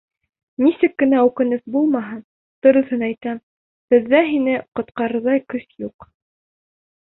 Нисек кенә үкенес булмаһын, дөрөҫөн әйтәм, беҙҙә һине ҡотҡарырҙай көс юҡ.